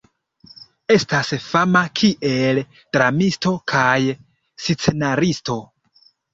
Estas fama kiel dramisto kaj scenaristo.